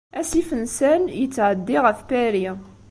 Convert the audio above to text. Asif n Seine yettɛeddi ɣef Paris.